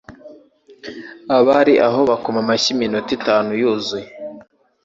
Abari aho bakoma amashyi iminota itanu yuzuye.